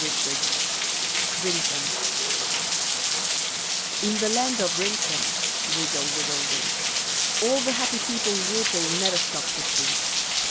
[Illustration: RINKTUM] IN the Land of Rinktum, (Riddle, riddle, rink,) All the happy people weople Never stop to think.